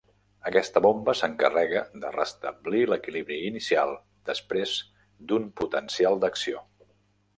Aquesta bomba s'encarrega de restablir l'equilibri inicial després d'un potencial d'acció.